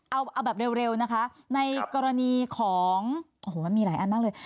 เอาแบบเร็วนะคะในกรณีของโอ้โหมันมีหลายอันนั่งเลย